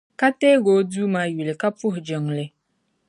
Ka teegi o Duuma yuli, ka puhi jiŋli.